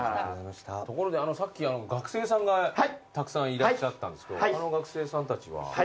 ところでさっき学生さんがたくさんいらっしゃったんですけどあの学生さんたちは？